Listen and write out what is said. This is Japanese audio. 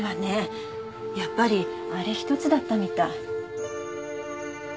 やっぱりあれ１つだったみたい。